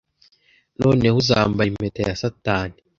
Noneho uzambara impeta ya satani